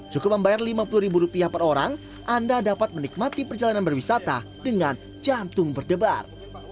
cukup membayar lima puluh ribu rupiah per orang anda dapat menikmati perjalanan berwisata dengan jantung berdebar